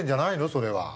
それは。